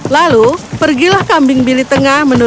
lalu pergilah kambing bili tengah menunggu